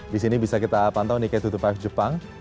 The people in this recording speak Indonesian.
disini bisa kita pantau nikkei dua ratus dua puluh lima jepang